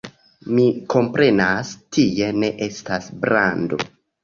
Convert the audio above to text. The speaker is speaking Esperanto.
Mi komprenas, tie ne estas brando.